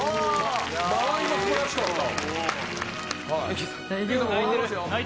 間合いも素晴らしかった。